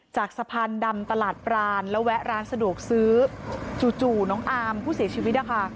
จากสะพานดำตลาดปรานแล้วแวะร้านสะดวกซื้อจู่น้องอามผู้เสียชีวิตนะคะ